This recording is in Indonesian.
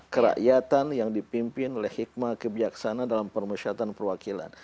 kerakyatan yang dipimpin oleh hikmah kebijaksanaan dalam permasyaratan perwakilan